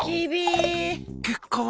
結果は？